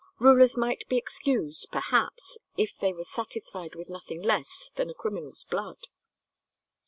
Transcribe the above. Rulers might be excused, perhaps, if they were satisfied with nothing less than a criminal's blood.